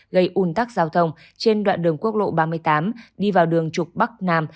gây ủn tắc giao thông trên đoạn đường quốc lộ ba mươi tám đi vào đường trục bắc nam